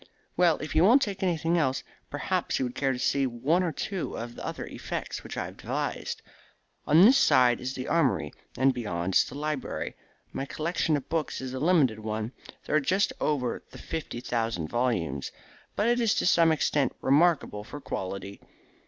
Well, if you won't take anything else, perhaps you would care to see one or two of the other effects which I have devised. On this side is the armoury, and beyond it the library. My collection of books is a limited one; there are just over the fifty thousand volumes. But it is to some extent remarkable for quality.